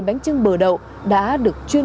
bánh trưng bờ đậu đã được chuyên